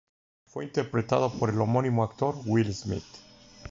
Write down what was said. Fue interpretado por el homónimo actor Will Smith.